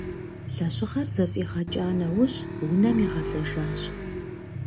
Лэжьыгъэр зэфӏигъэкӏа нэужь унэм игъэзэжащ.